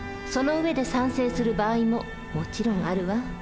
その上で賛成する場合ももちろんあるわ。